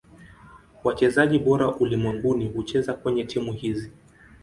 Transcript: Wachezaji bora ulimwenguni hucheza kwenye timu hizi.